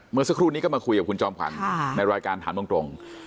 เมื่อสักครู่นี้ก็มาคุยกับคุณจอมขวัญในรายการถามตรง